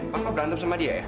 papa berantem sama dia ya